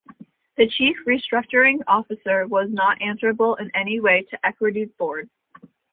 The chief restructuring officer was not answerable in any way to Equity's board.